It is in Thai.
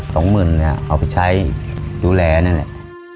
๒หมื่นเอาไปใช้ดูแลนั่นแหละ